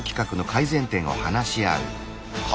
は